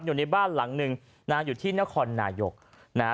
อยู่ในบ้านหลังหนึ่งนะฮะอยู่ที่นครนายกนะฮะ